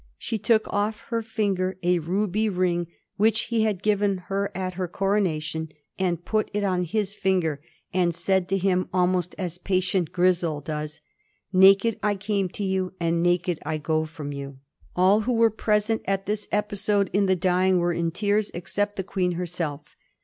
She took off her finger a ruby ring which he had given her at her coro nation, and put it on his finger, and said to him, almost as patient Grizzel does, " Naked I came to you, and naked I go from you." All who were present at this episode in the dying were in tears, except the Queen herself.